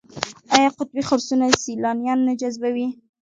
آیا قطبي خرسونه سیلانیان نه جذبوي؟